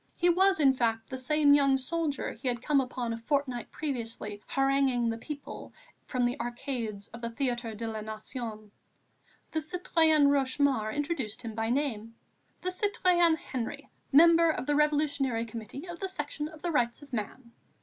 He was, in fact, the same young soldier he had come upon a fortnight previously haranguing the people from the arcades of the Théâtre de la Nation. The citoyenne Rochemaure introduced him by name: "The citoyen Henry, Member of the Revolutionary Committee of the Section of the Rights of Man."